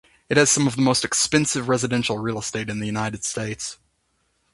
It has some of the most expensive residential real estate in the United States.